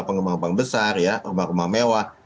pengembang pengembang besar ya rumah rumah mewah